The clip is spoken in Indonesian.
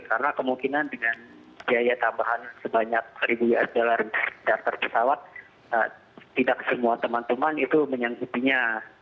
karena kemungkinan dengan biaya tambahan sebanyak rp satu daftar pesawat tidak semua teman teman itu menyenggupinya